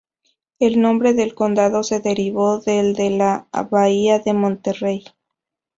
El nombre del condado se derivó del de la bahía de Monterrey.